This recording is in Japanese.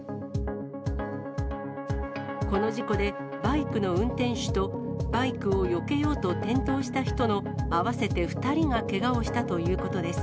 この事故で、バイクの運転手とバイクをよけようと転倒した人の合わせて２人がけがをしたということです。